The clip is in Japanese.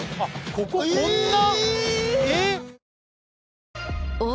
こここんな？